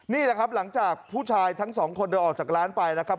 นี่แหละครับหลังจากผู้ชายทั้งสองคนเดินออกจากร้านไปนะครับ